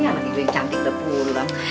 anak itu yang cantik udah pulang